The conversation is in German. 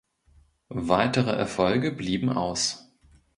Weitere Erfolge blieben aus.